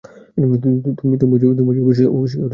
তুই বুঝি অবিশ্বাস করিস আমাকে?